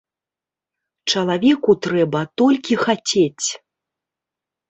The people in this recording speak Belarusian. Чалавеку трэба толькі хацець.